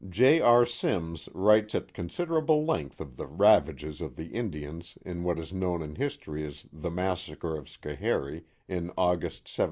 J. R. Simms writes at considerable length of the ravages of the Indians in what is known in history as the Massacre of Schoharie, in August, 1780.